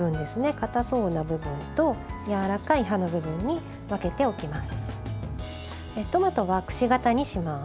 かたそうな部分とやわらかい葉の部分に分けておきます。